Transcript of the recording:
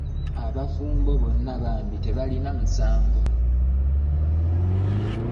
Abafumbo bano bambi tebalina musango.